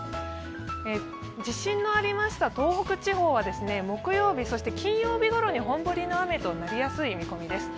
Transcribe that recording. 地震のありました、東北地方は木曜日、金曜日ごろに本降りの雨となりやすい見込みです。